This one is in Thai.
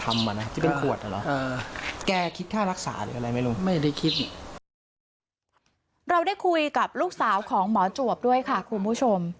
เราได้คุยกับลูกสาวของหมอจวบด้วยค่ะคุณผู้ชม